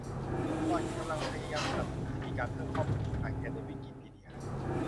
หล่อนกำลังพยายามสนับสนุนให้มีการเพิ่มข้อมูลที่ยังขาดแคลนในวิกิพีเดีย